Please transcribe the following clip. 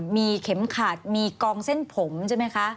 มีเข็มขัดมีกองเส้นผมใช่ไหมคะ